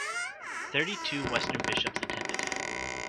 Thirty-two Western bishops attended.